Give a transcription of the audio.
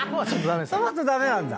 トマト駄目なんだ。